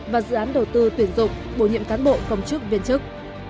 và dự án đầu tư tuyển dụng bổ nhiệm cán bộ công chức viên chức